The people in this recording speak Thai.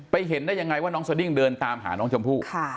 เห็นได้ยังไงว่าน้องสดิ้งเดินตามหาน้องชมพู่